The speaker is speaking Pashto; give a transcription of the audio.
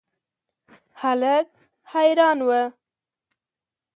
هلک حیران و.